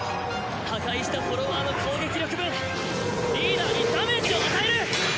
破壊したフォロワーの攻撃力分リーダーにダメージを与える。